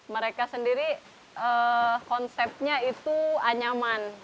mereka sendiri konsepnya itu anyaman